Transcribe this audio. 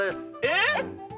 えっ！？